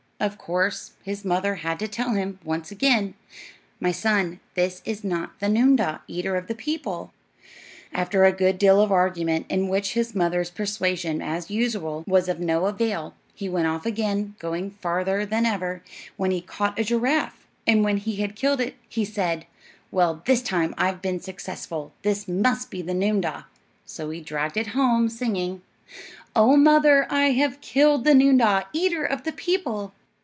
Of course his mother had to tell him, once again, "My son, this is not the noondah, eater of the people." After a good deal of argument, in which his mother's persuasion, as usual, was of no avail, he went off again, going farther than ever, when he caught a giraffe; and when he had killed it he said: "Well, this time I've been successful. This must be the noondah." So he dragged it home, singing, "Oh, mother, I have killed The noondah, eater of the people."